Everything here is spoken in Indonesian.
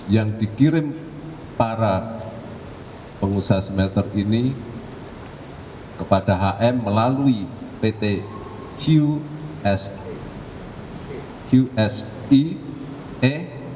yang dikirim para pengusaha smelter ini kepada hm melalui pt qse